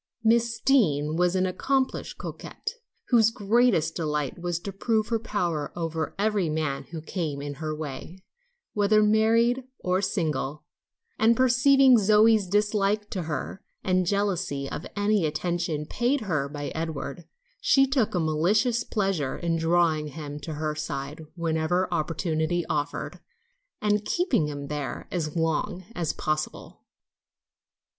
Miss Deane was an accomplished coquette, whose greatest delight was to prove her power over every man who came in her way, whether married or single, and perceiving Zoe's dislike to her, and jealousy of any attention paid her by Edward, she took a malicious pleasure in drawing him to her side whenever opportunity offered, and keeping him there as long as possible.